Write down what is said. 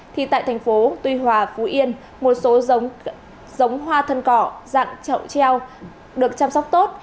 thì tại thành phố tuy hòa phú yên một số giống hoa thân cỏ dạng trậu treo được chăm sóc tốt